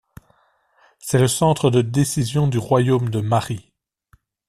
C'est le centre de décision du royaume de Mari.